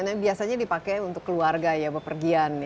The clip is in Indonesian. nah biasanya dipakai untuk keluarga ya bepergian